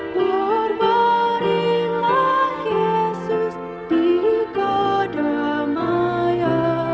berbaringlah yesus di kota maya